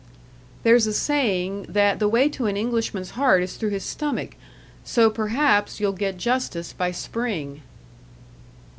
"There's a saying, that the way to an Englishman's heart is through his stomach. So, perhaps, you'll get justice by spring."